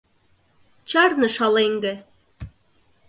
— Чарне, шалеҥге!